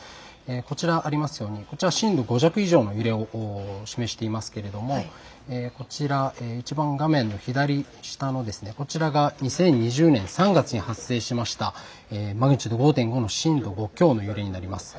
こちらにありますますように震度５弱以上の揺れを示していますがこちら、画面の左下のこちらが２０２０年３月に発生しましたマグニチュード５．５の震度５強の揺れになります。